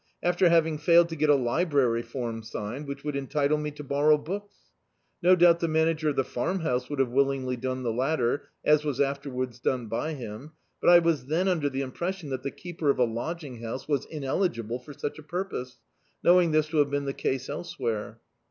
after having failed to get a library form si^ed, which would entitle me to borrow books. No doubt the manager of the Farmhouse would have willingly dfflie the latter, as was afterwards done by him, but I was then under the impression that the keeper of a lodging house was ineli^ble for such a purpose, knowing this to have been the case elsewhere.